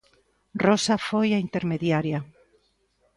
Rosa foi a intermediaria.